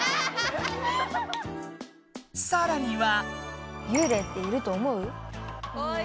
さらには。